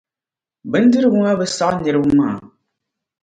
Bindirigu maa bi saɣi niriba maa.